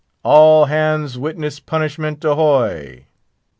"_All hands witness punishment, ahoy!